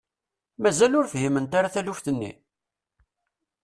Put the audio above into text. Mazal ur fhiment ara taluft-nni?